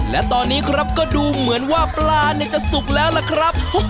และตอนนี้ครับก็ดูเหมือนว่าปลาเนี่ยจะสุกแล้วล่ะครับ